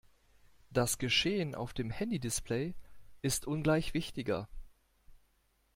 Das Geschehen auf dem Handy-Display ist ungleich wichtiger.